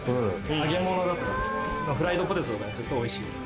揚げ物だとかフライドポテトとかにするとおいしいです。